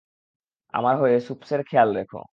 আমার হয়ে সুপসের খেয়াল রেখো।